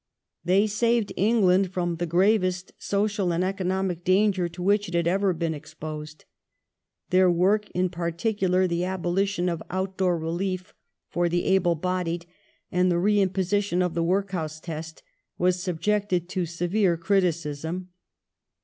They saved England from thu gravest social and economic danger to which it had ever been ex posed. Their work — in particular the abolition of outdoor relief for the able bodied and the i e imposition.of the " Workhouse test "— was subjected to severe criticism.